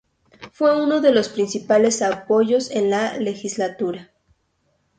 Fue uno de sus principales apoyos en la legislatura.